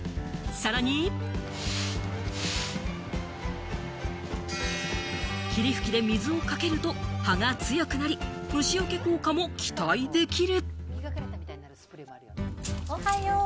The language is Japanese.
さらに霧吹きで水をかけると葉が強くなり、虫よけ効果も期待できる。